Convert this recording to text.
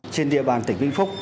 trên địa bàn tỉnh vĩnh phúc